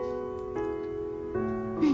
うん。